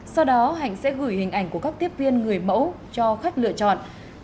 sau đó hạnh sẽ gửi hình ảnh của các tiếp viên người mẫu cho khách lựa chọn